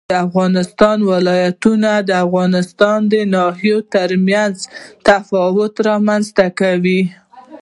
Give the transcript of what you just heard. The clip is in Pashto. د افغانستان ولايتونه د افغانستان د ناحیو ترمنځ تفاوتونه رامنځ ته کوي.